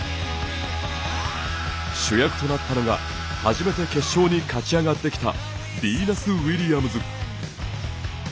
主役となったのが初めて決勝に勝ち上がってきたビーナス・ウィリアムズ。